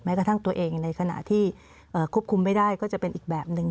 กระทั่งตัวเองในขณะที่ควบคุมไม่ได้ก็จะเป็นอีกแบบหนึ่ง